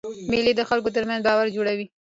مېلې د خلکو ترمنځ باور جوړوي.